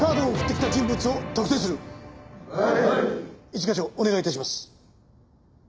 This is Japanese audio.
一課長お願い致します。